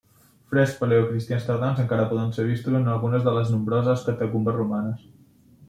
Frescs paleocristians tardans encara poden ser vistos en algunes de les nombroses catacumbes romanes.